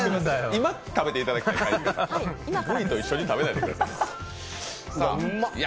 今、食べていただきたいんです、Ｖと一緒に食べないでください。